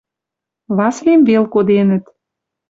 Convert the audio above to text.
Васлим вел коденӹт